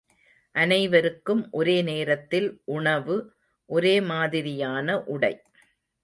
அனைவருக்கும் ஒரே நேரத்தில் உணவு, ஒரே மாதிரியான உடை.